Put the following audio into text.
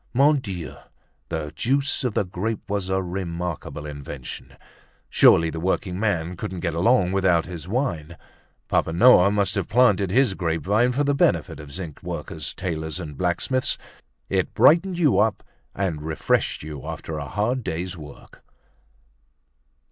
Mon Dieu! the juice of the grape was a remarkable invention. Surely the workingman couldn't get along without his wine. Papa Noah must have planted his grapevine for the benefit of zinc workers, tailors and blacksmiths. It brightened you up and refreshed you after a hard day's work.